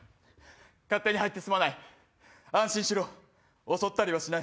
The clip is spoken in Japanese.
勝手に入ってすまない安心しろ襲ったりはしない。